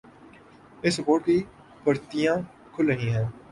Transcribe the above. اس report کی پرتیں کھل رہی ہیں۔